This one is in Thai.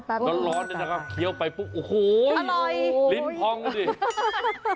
ตอนร้อนนะครับเคี้ยวไปปุ๊บโอ้โฮลิ้นพองดิ